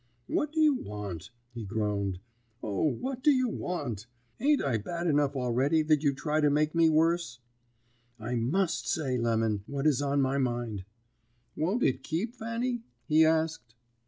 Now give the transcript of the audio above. "'What do you want?' he groaned. 'O, what do you want? Ain't I bad enough already that you try to make me worse?' "'I must say, Lemon, what is on my mind.' "'Won't it keep, Fanny?' he asked.